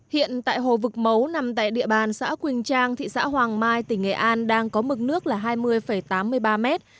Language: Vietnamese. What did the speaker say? hiện tại hồ vực mấu nằm tại địa bàn xã quỳnh trang thị xã hoàng mai tỉnh nghệ an đang có mực nước là hai mươi tám mươi ba mét